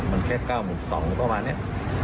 มันแค่๙๒๐๐บาทประมาณนี้